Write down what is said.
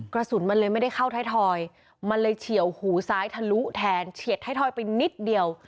กระสุนมันเลยไม่ได้เข้าไทยทอยมันเลยเฉียวหูซ้ายทะลุแทนเฉียดไทยทอยไปนิดเดียว